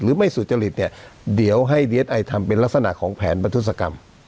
หรือไม่สุจริตเนี่ยเดี๋ยวให้ทำเป็นลักษณะของแผนประทุศกรรม